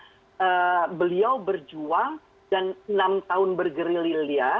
hidupnya beliau berjuang dan enam tahun bergeri lilia